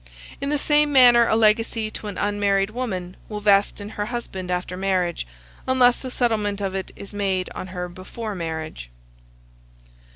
In the same manner a legacy to an unmarried woman will vest in her husband after marriage, unless a settlement of it is made on her before marriage.